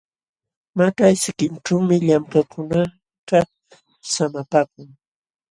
Maćhay sikinćhuumi llamkaqkunakaq samapaakun.